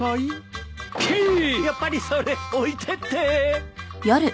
やっぱりそれ置いてって。